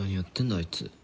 あいつ。